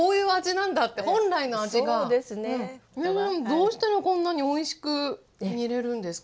どうしたらこんなにおいしく煮れるんですか？